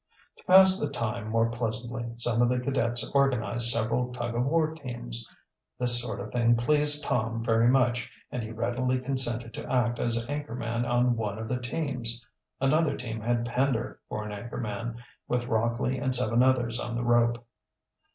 To pass the time more pleasantly some of the cadets organized several tug of war teams. This sort of thing pleased Tom very much and he readily consented to act as anchor man on one of the teams. Another team had Pender for an anchor man, with Rockley and seven others on the rope.